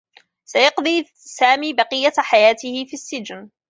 سيقضي سامي بقيّة حياته في السّجن.